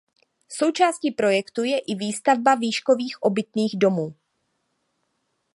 Součástí projektu je i výstavba výškových obytných domů.